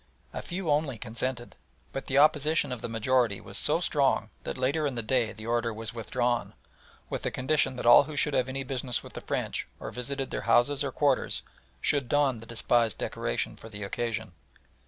A few only consented, but the opposition of the majority was so strong that later in the day the order was withdrawn, with the condition that all who should have any business with the French, or visited their houses or quarters, should don the despised decoration for the occasion.